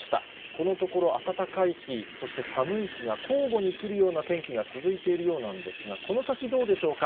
このところ、暖かい日、そして寒い日が交互に来るような天気が続いているようなんですが、この先、どうでしょうか。